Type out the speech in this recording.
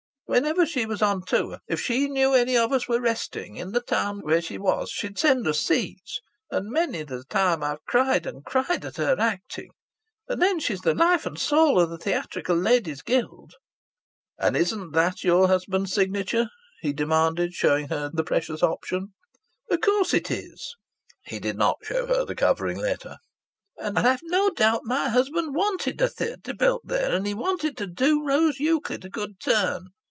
"Whenever she was on tour, if she knew any of us were resting in the town where she was she'd send us seats. And many's the time I've cried and cried at her acting. And then she's the life and soul of the Theatrical Ladies' Guild." "And isn't that your husband's signature?" he demanded, showing the precious option. "Of course it is." He did not show her the covering letter. "And I've no doubt my husband wanted a theatre built there, and he wanted to do Rose Euclid a good turn.